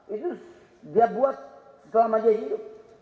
itu dia buat selama dia hidup